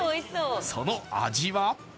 その味は？